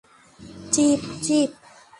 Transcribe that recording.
Chief, chief!